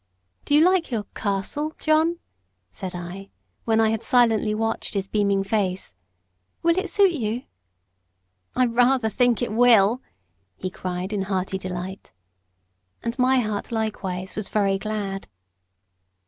"Do you like your 'castle,' John?" said I, when I had silently watched his beaming face; "will it suit you?" "I rather think it will!" he cried in hearty delight. And my heart likewise was very glad.